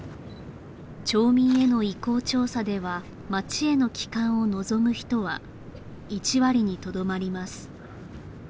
町民への意向調査では町への帰還を望む人は１割にとどまります